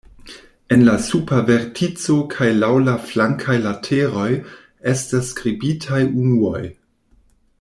En la supra vertico kaj laŭ la flankaj lateroj estas skribitaj unuoj.